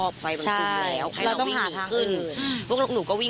ไปทำอะไร